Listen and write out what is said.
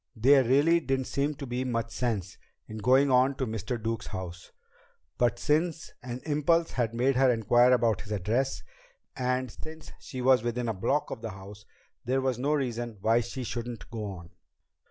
There really didn't seem to be much sense in going on to Mr. Duke's house. But since an impulse had made her inquire about his address, and since she was within a block of the house, there was no reason why she shouldn't go on.